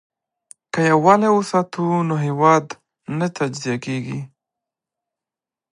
که یووالي وساتو نو هیواد نه تجزیه کیږي.